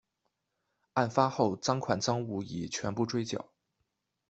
案发后赃款赃物已全部追缴。